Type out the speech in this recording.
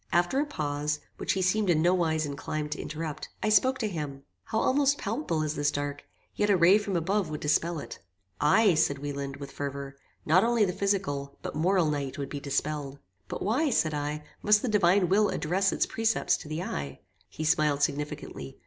After a pause, which he seemed in no wise inclined to interrupt, I spoke to him "How almost palpable is this dark; yet a ray from above would dispel it." "Ay," said Wieland, with fervor, "not only the physical, but moral night would be dispelled." "But why," said I, "must the Divine Will address its precepts to the eye?" He smiled significantly.